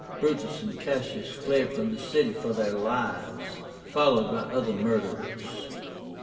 Brutus and Cassius fled from the city for their lives, followed by the other murderers.